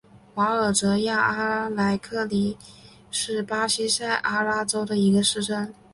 瓦尔泽亚阿莱格里是巴西塞阿拉州的一个市镇。